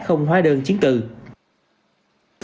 không hóa đơn chiến tử